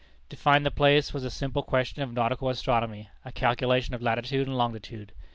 To find the place was a simple question of nautical astronomy a calculation of latitude and longitude.